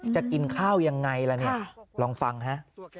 จะกินข้าวยังไงล่ะเนี่ยลองฟังฮะ